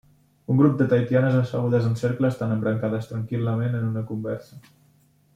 Un grup de tahitianes assegudes en cercle estan embrancades tranquil·lament en una conversa.